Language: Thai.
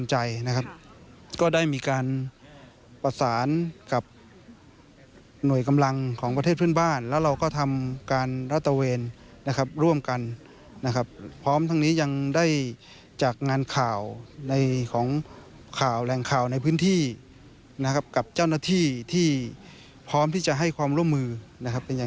จะต้องสร้างความมั่นคงและความปลอดภัย